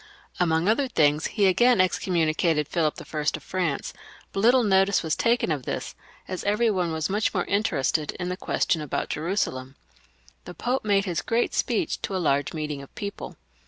Among other things he again excom municated Philip I. of France ; but little notice was taken of this, as every one was much more interested in the question about Jerusalem. The Pope made his great speech to a large meeting of people.